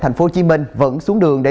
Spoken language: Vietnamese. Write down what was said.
thật sự là rất là vui